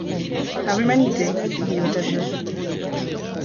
Par humanité, dit Ottavio.